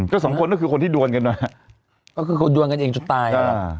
อืมก็๒คนก็คือคนที่ดวนกันนะก็คือคนดวนกันเองจนตาย